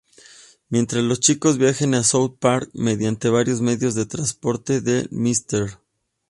Mientras los chicos viajan a South Park mediante varios medios de transportes del Mr.